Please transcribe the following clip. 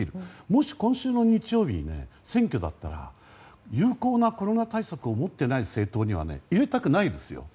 もし今週の日曜日に選挙だったら有効なコロナ対策を持っていない政党には入れたくないですよ。